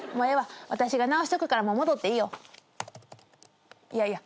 私が直しとくから戻っていいよ。いやいや。